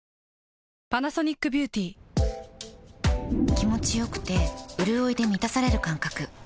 気持ちよくてうるおいで満たされる感覚